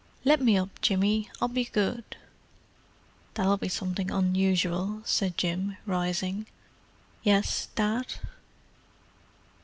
"Let me up, Jimmy—I'll be good." "That'll be something unusual," said Jim, rising. "Yes, Dad?"